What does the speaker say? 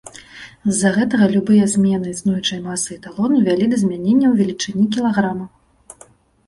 З-за гэтага любыя змены існуючай масы эталону вялі да змяненняў велічыні кілаграма.